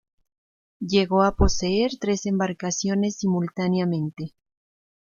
Llegó a poseer tres embarcaciones simultáneamente.